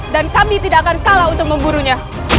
dan kami tidak akan kalah untuk memburunya